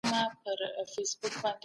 اوسنۍ ټولنه تر پخوانۍ ټولني پېچلې ده.